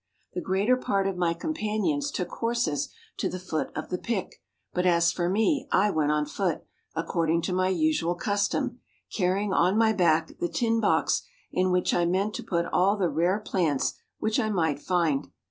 The greater part of my companions took horses to the foot of the Pic, but as for me I went on foot, according to my usual custom, carrying on my back THE PIC DU MIDI. Ill the tin box in which I meant to put all the rare plants which I might find.